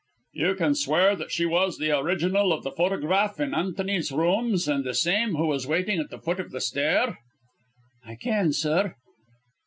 "You can swear that she was the original of the photograph in Antony's rooms and the same who was waiting at the foot of the stair?" "I can, sir."